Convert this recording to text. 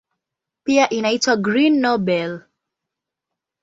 Pia inaitwa "Green Nobel".